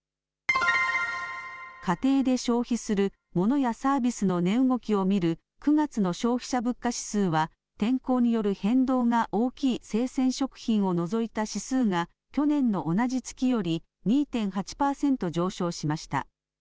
家庭で消費するモノやサービスの値動きを見る９月の消費者物価指数は天候による変動が大きい生鮮食品を除いた指数が去年の同じ月より２．８％上昇しました。